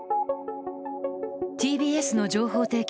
ＴＢＳの情報提供